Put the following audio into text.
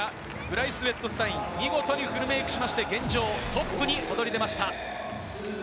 ブライス・ウェットスタイン、見事にフルメイクしまして、現状トップに躍り出ました。